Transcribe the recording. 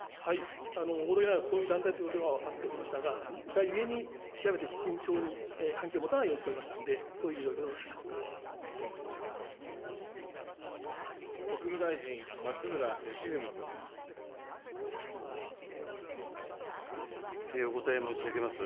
おぼろげながらそういう団体と分かっておりましたが、が、ゆえに、極めて慎重に関係を持たないようにしておりましたので、そ国務大臣、お答え申し上げます。